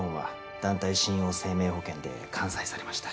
団体信用生命保険で完済されました